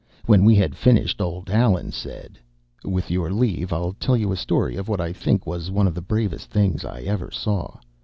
When we had finished, old Allan said:— "With your leave I'll tell you a story of what I think was one of the bravest things I ever saw.